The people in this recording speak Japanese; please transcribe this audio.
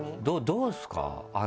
どうですか？